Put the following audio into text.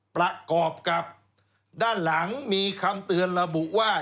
ประกอบกับด้านหลังมีคำเตือนระบุว่า